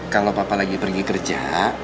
kalau papa lagi pergi kerja